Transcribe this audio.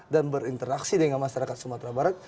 dan berinteraksi dengan masyarakat sumatera barat